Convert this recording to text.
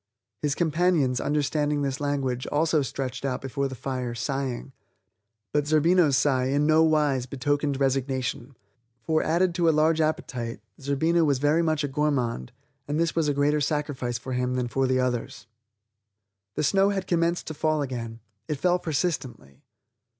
His companions, understanding this language, also stretched out before the fire sighing, but Zerbino's sigh in no wise betokened resignation, for added to a large appetite, Zerbino was very much of a gourmand, and this was a greater sacrifice for him than for the others. The snow had commenced to fall again; it fell persistently.